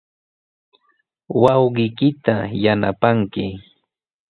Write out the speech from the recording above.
Wawqiykita yanapanki.